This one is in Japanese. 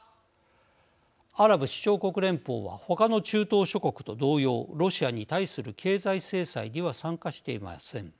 アラブ首長国連邦は他の中東諸国と同様ロシアに対する経済制裁には参加していません。